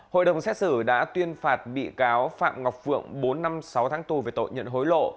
hội đồng xét xử đã tuyên phạt bị cáo phạm ngọc phượng bốn năm sáu tháng tù về tội nhận hối lộ